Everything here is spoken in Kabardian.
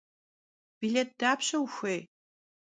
Bilêt dapşe vuxuêy?